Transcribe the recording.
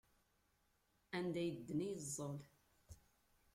Anda yedden i yeẓẓul.